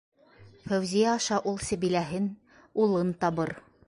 Фәүзиә аша ул Сәбиләһен, улын табыр.